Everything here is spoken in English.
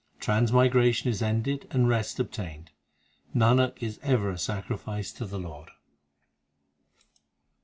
Transmigration is ended and rest obtained Nanak is ever a sacrifice to the Lord.